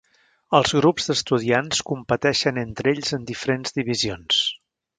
Els grups d'estudiants competeixen entre ells en diferents divisions.